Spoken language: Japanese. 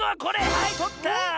はいとった！